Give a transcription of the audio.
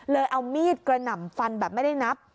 เอามีดกระหน่ำฟันแบบไม่ได้นับ